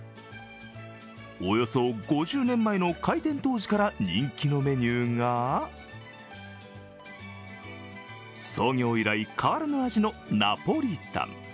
およそ５０年前の開店当時から人気のメニューが創業以来変わらぬ味のナポリタン。